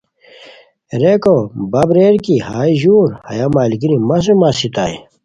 ریکو باپ ریر کی ہائے ژٔور ہیا ملگیری مہ سوم اسیتائے